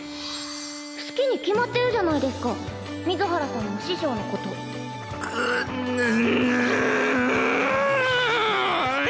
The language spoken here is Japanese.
好きに決まってるじゃないですか水原さんも師匠のことぐぬぬ！